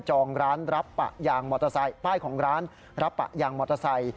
องร้านรับปะยางมอเตอร์ไซค์ป้ายของร้านรับปะยางมอเตอร์ไซค์